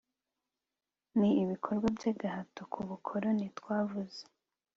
ni ibikorwa by'agahato k'ubukoloni twavuze